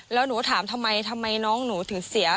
แล้วหนูถามทำไมทำไมน้องหนูถึงเสีย